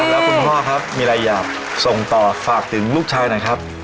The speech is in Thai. แล้วคุณพ่อครับมีอะไรอยากส่งต่อฝากถึงลูกชายหน่อยครับ